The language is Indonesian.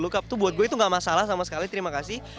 luka tuh buat gue itu gak masalah sama sekali terima kasih